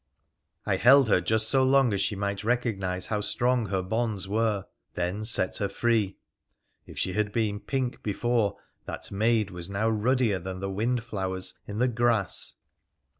I held her just so long as she might recognise how strong her bonds were, then set her free. If she had been pink be fore, that maid was now ruddier than the windflowers in the grass.